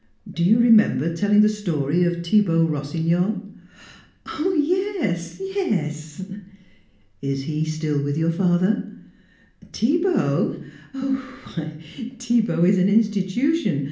Do you remember telling the story of Thibaut Rossignol?" "Oh yes, yes!" "Is he still with your father?" "Thibaut? Why, Thibaut is an institution.